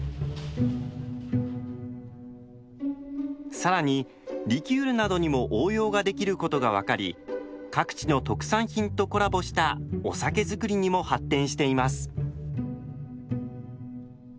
更にリキュールなどにも応用ができることが分かり各地の特産品とコラボしたお酒造りにも発展しています。